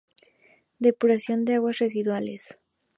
Depuración de aguas residuales.